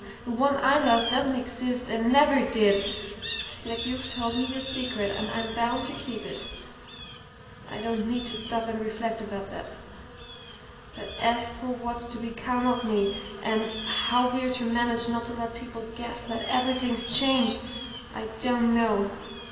The one I loved doesn't exist and never did; yet you've told me your secret, and I'm bound to keep it. I don't need to stop and reflect about that. But as for what's to become of me, and how we're to manage not to let people guess that everything's changed, I don't know!